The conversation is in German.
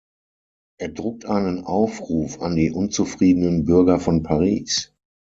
Er druckt einen Aufruf an die unzufriedenen Bürger von Paris.